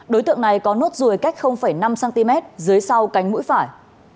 đối tượng này có nốt ruồi cách năm cm dưới sau cánh mũi phải